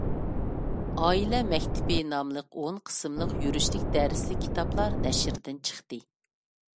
«ئائىلە مەكتىپى» ناملىق ئون قىسىملىق يۈرۈشلۈك دەرسلىك كىتابلار نەشردىن چىقتى.